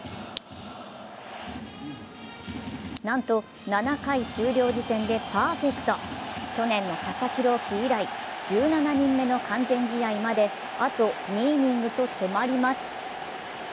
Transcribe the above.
なんと７回終了時点でパーフェクト去年の佐々木朗希以来１７人目の完全試合まであと２イニングと迫ります。